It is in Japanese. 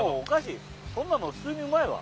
こんなもう普通にうまいわ。